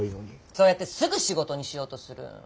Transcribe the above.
そうやってすぐ仕事にしようとする。